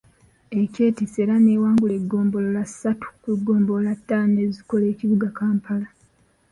Ekyetisse era n’ewangula eggombolola ssatu ku ggombolola ttaano ezikola ekibuga Kampala.